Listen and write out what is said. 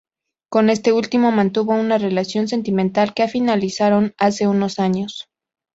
Con este último mantuvo una relación sentimental que ha finalizaron hace unos años.